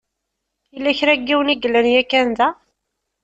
Yella kra n yiwen i yellan yakan da.